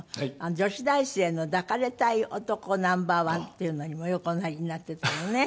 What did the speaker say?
「女子大生の抱かれたい男Ｎｏ．１」っていうのにもよくおなりになってたのよね。